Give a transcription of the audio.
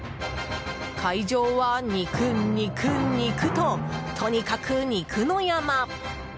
会場は肉、肉、肉ととにかく肉の山。